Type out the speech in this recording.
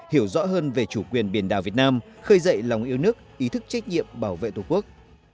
hiểu rõ hơn về chủ quyền biển đảo việt nam khơi dậy lòng yêu nước ý thức trách nhiệm bảo vệ tổ quốc